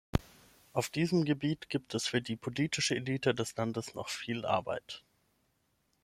Auf diesem Gebiet gibt es für die politische Elite des Landes noch viel Arbeit.